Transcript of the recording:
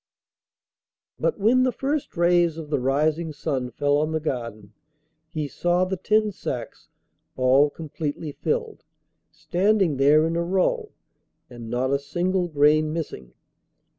But when the first rays of the rising sun fell on the garden, he saw the ten sacks all completely filled, standing there in a row, and not a single grain missing.